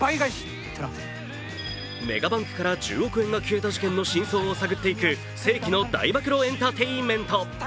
メガバンクから１０億円が消えた事件の真相を探っていく世紀の大暴露エンターテインメント。